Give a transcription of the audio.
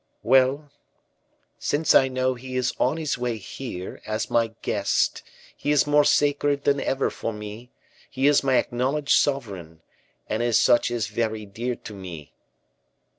"Well, since I know he is on his way here, as my guest, he is more sacred than ever for me; he is my acknowledged sovereign, and as such is very dear to me."